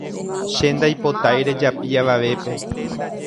Che ndaipotái rejapi avavépe